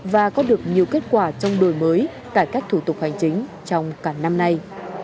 và có được nhiều kết quả trong đời mới tại các thủ tục hành chính trong cả năm nay